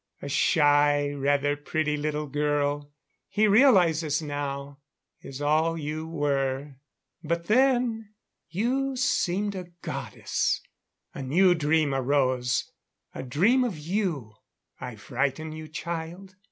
A shy, rather pretty little girl, he realizes now, is all you were. But then you seemed a goddess. A new dream arose a dream of you ... I frighten you, child?"